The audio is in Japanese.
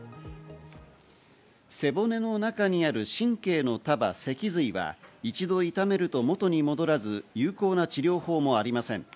背骨の中にある神経の束、脊髄は一度傷めると元に戻らず有効な治療法もありません。